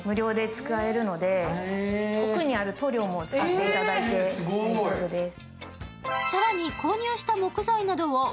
奥にある塗料も全部使っていただいて結構です。